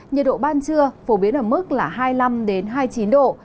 nhiệt độ ban trưa phổ biến ở mức là hai mươi năm hai mươi chín độ